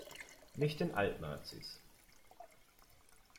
Nicht den Alt-Nazis“.